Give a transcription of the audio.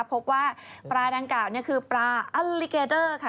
พบว่าปลาดังกล่าวนี่คือปลาอัลลิเกอร์ค่ะ